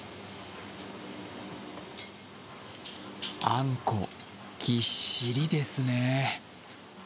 あんこ、ぎっしりですね。